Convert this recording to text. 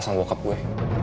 masih sama bokap gue